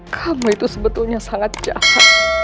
kamu itu sebetulnya sangat jahat